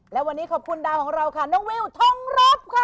และวันนี้ขอบคุณดาวของเราค่ะน้องวิวทองรบค่ะ